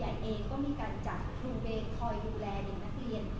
ทางนักเรียนเองก็มีการจัดภูมิไปคอยดูแลเด็กนักเรียน